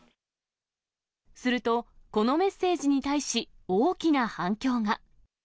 すると、このメッセージに対し、大きな反響が。